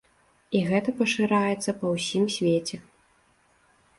І гэта пашыраецца па ўсім свеце.